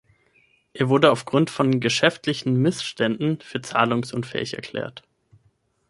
Er wurde aufgrund von „geschäftlichen Missständen“ für zahlungsunfähig erklärt.